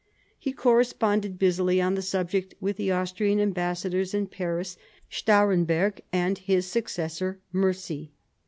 He corresponded busily on the subject with the Austrian ambassadors in Paris, Stahremberg and his successor Mercy.